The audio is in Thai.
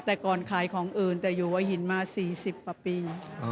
แต่ก่อนขายของอื่นแต่อยู่หัวหินมา๔๐กว่าปี